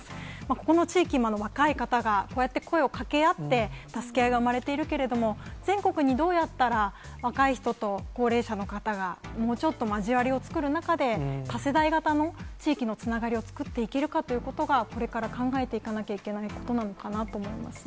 ここの地域も、若い方がこうやって声をかけ合って、助け合いが生まれているけれども、全国にどうやったら、若い人と高齢者の方がもうちょっと交わりを作る中で、多世代型の地域のつながりを作っていけるかということがこれから考えていかなきゃいけないことなのかなと思いますね。